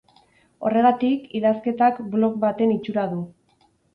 Horregatik, idazketak blog baten itxura du.